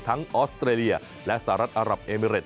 ออสเตรเลียและสหรัฐอารับเอเมริต